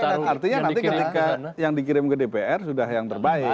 artinya nanti ketika yang dikirim ke dpr sudah yang terbaik